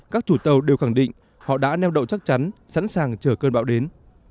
các chủ tàu đều khẳng định họ đã neo đậu chắc chắn sẵn sàng chờ cơn bão đến